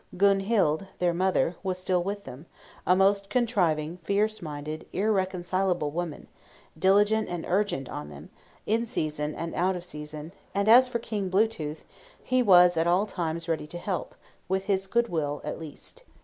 Gunhild, their mother, was still with them: a most contriving, fierce minded, irreconcilable woman, diligent and urgent on them, in season and out of season; and as for King Blue tooth, he was at all times ready to help, with his good will at least.